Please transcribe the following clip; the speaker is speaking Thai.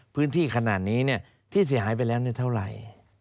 พื้นที่ขนาดนี้ที่เสียหายไปแล้วเท่าไหร่